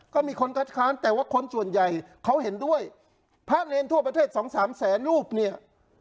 ก็มีคนคัดค้านแต่ว่าคนส่วนใหญ่เขาเห็นด้วยพระเนรทั่วประเทศสองสามแสนรูปเนี่ย